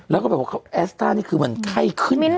แล้วก็แบบว่าแอสตาร์นี่มันค่อยเข้ายขึ้น